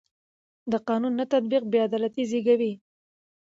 د قانون نه تطبیق بې عدالتي زېږوي